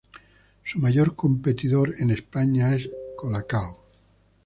Su mayor competidor en España es Cola Cao.